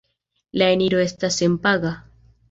La eniro estas senpaga.